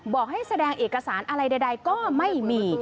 บอกให้แสดงเอกสารอะไรใดก็ไม่มี